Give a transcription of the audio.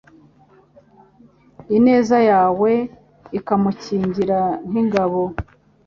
ineza yawe ikamukingira nk’ingabo